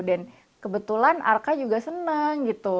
dan kebetulan arka juga senang gitu